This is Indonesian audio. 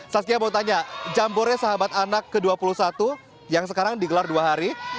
saskia mau tanya jambore sahabat anak ke dua puluh satu yang sekarang digelar dua hari